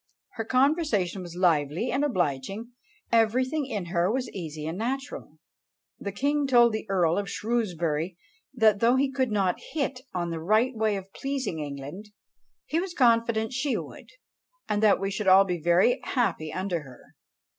Her conversation was lively and obliging; everything in her was easy and natural. The king told the Earl of Shrewsbury, that though he could not hit on the right way of pleasing England, he was confident she would, and that we should all be very happy under her."